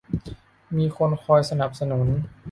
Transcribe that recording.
มีคนคอยสนับสนุน